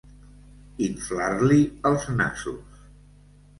Inflar-li els nassos.